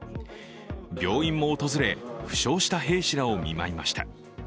病院も訪れ、負傷した兵士らを見舞いました。